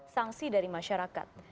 sanksi dari masyarakat